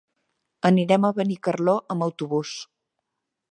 Anirem a Benicarló amb autobús.